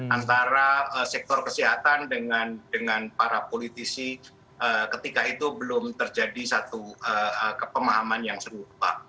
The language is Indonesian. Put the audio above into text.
antara sektor kesehatan dengan para politisi ketika itu belum terjadi satu kepemahaman yang serupa